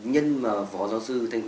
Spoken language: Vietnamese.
nhân mà phó giáo sư thanh quỳnh